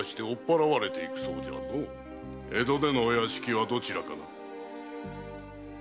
江戸でのお屋敷はどちらかな？